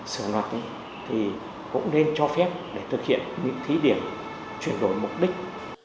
sử dụng luật thì cũng nên cho phép để thực hiện những thí điểm chuyển đổi mục đích